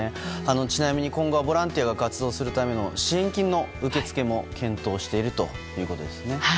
ちなみに今後ボランティアが活動するための支援金の受け付けも検討しているということです。